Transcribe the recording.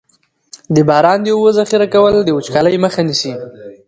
د باران د اوبو ذخیره کول د وچکالۍ مخه نیسي.